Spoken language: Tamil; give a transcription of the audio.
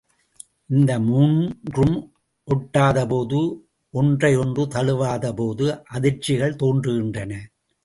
இந்த மூன்றும் ஒட்டாதபோது ஒன்றை ஒன்று தழுவாத போது அதிர்ச்சிகள் தோன்றுகின்றன.